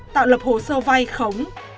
tạo lập hồ sơ vai khống